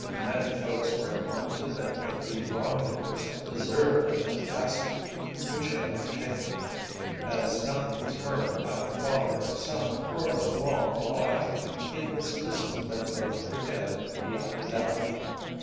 Many folks were inclined to think that the wrongdoers deserved the catastrophe which had overtaken them. As nothing was heard of either father or son for a long while, it was presumed that both were dead beyond a doubt.